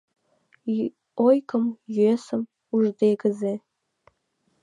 Ойгым-йосым уждегызе